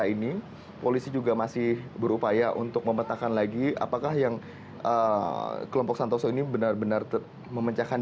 ini masih kawasan